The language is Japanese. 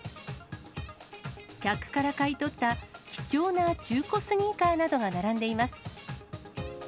客から買い取った貴重な中古スニーカーなどが並んでいます。